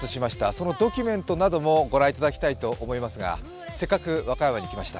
そのドキュメントなどもご覧いただきたいと思いますがせっかく和歌山に来ました